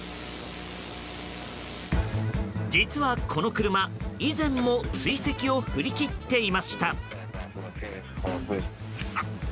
実はこの車、以前も追跡を振り切っていました。